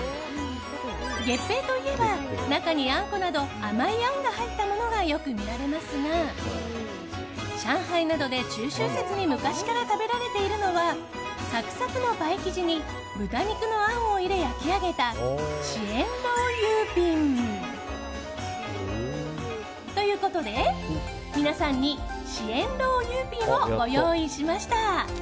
月餅といえば、中にあんこなど甘いあんが入ったものがよく見られますが上海などで、中秋節に昔から食べられているのはサクサクのパイ生地に豚肉のあんを入れ焼き上げたシエンロウユーピン。ということで皆さんにシエンロウユーピンをご用意しました。